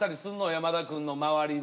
山田くんの周りで。